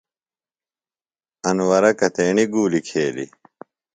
انورہ کتیݨیۡ گُولیۡ کھیلیۡ؟